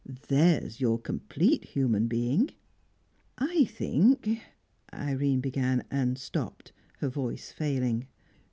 There's your complete human being." "I think " Irene began, and stopped, her voice failing.